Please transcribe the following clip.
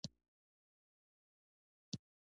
له څلورلارې څخه تر بیني حصار سیمې پورې